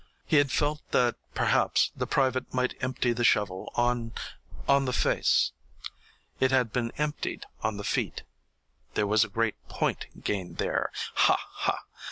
He had felt that perhaps the private might empty the shovel on on the face. It had been emptied on the feet. There was a great point gained there ha, ha!